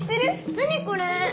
何これ？